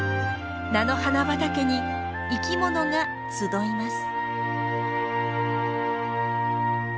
菜の花畑に生きものが集います。